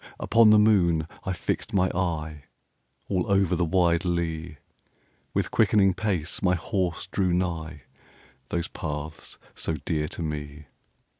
Upon the moon I fixed my eye, All over the wide lea; 10 With quickening pace my horse drew nigh Those paths so dear to me.